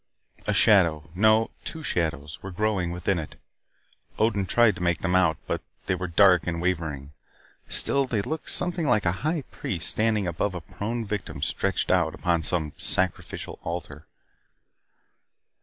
A shadow no, two shadows were growing within it, Odin tried to make them out. But they were dark and wavering. Still, they looked something like a high priest standing above a prone victim stretched out upon some sacrificial altar.